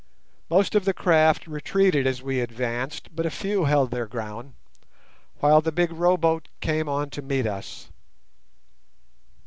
Most of the craft retreated as we advanced, but a few held their ground, while the big row boat came on to meet us.